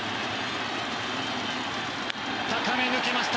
高め、抜けました。